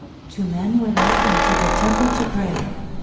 Two men went up into the temple to pray.